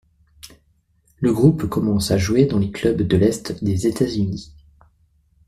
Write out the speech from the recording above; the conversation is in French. Le groupe commence à jouer dans les clubs de l'est des États-Unis.